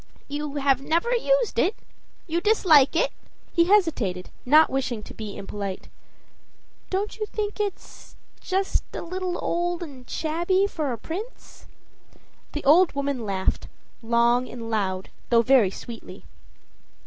"You have never used it; you dislike it?" He hesitated, no; wishing to be impolite. "Don't you think it's just a little old and shabby for a prince?" The old woman laughed long and loud, though very sweetly.